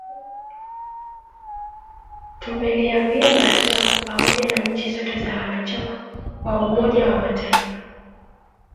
tumeliambia baraza pamoja na nchi zote za wanachama wa umoja wa mataifa